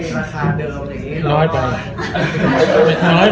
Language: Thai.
ไม่แทนด้วย